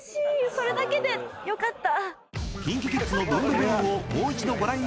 それだけでよかった。